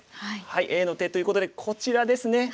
Ａの手ということでこちらですね。